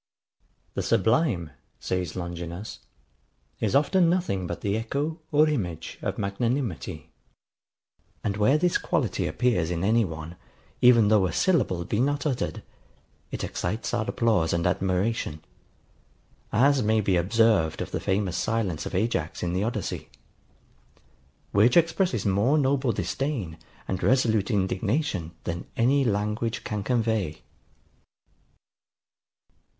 The sublime, says Longinus, is often nothing but the echo or image of magnanimity; and where this quality appears in any one, even though a syllable be not uttered, it excites our applause and admiration; as may be observed of the famous silence of Ajax in the Odyssey, which expresses more noble disdain and resolute indignation than any language can convey [Footnote: Cap.